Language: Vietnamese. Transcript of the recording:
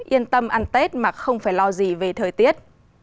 yên tâm ăn tết mà không phải lo gì về thời tiết